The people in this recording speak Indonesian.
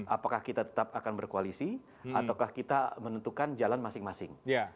apakah kita tetap akan berkoalisi ataukah kita menentukan jalan masing masing